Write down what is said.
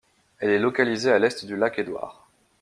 Elle est localiée à l'est du lac Édouard.